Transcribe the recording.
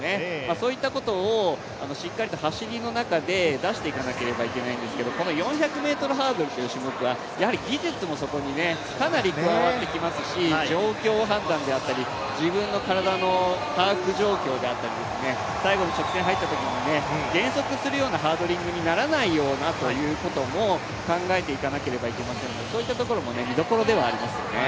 そういったことをしっかりと走りの中で出していかなければいけないんですけど、この４００ｍハードルという種目はやはり技術もそこにかなり加わってきますし、状況判断であったり、自分の体の把握状況だったり最後の直線入ったときに減速するようなハードリングにならないようにということも考えていかなければいけませんからそういったところも見どころではありますよね。